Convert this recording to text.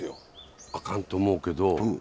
あかんと思うけど。